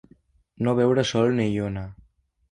No veure sol ni lluna.